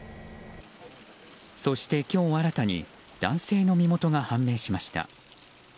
そして今日、新たに男性の身元が判明しました。